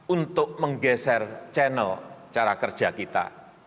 untuk menggeser channel cara kerja kita